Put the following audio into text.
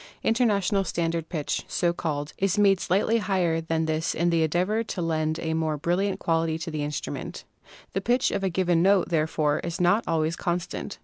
"International Standard Pitch," so called, is made slightly higher than this in the endeavor to lend a more brilliant quality to the instruments. The pitch of a given note, therefore, is not always constant.